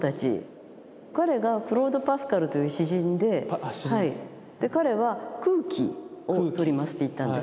彼がクロード・パスカルという詩人で彼は空気を取りますって言ったんです。